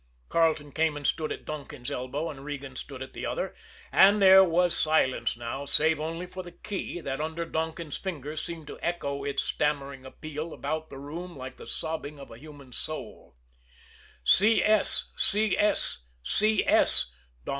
Carleton came and stood at Donkin's elbow, and Regan stood at the other; and there was silence now, save only for the key that, under Donkin's fingers, seemed to echo its stammering appeal about the room like the sobbing of a human soul.